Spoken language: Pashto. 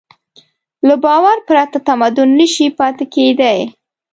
له باور پرته تمدن نهشي پاتې کېدی.